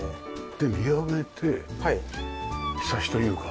で見上げて庇というか。